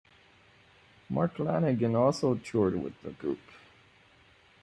Mark Lanegan also toured with the group.